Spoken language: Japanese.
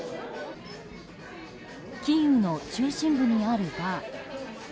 キーウの中心部にあるバー。